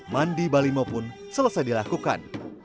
mandi balimo pun selesai dilakukan